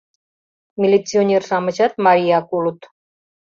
Милиционер-шамычат марияк улыт.